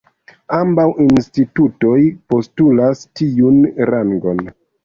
Ambaŭ institutoj postulas tiun rangon.